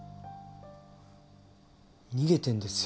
逃げてんですよ